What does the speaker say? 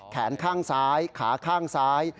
แขนข้างซ้ายขาข้างซ้าย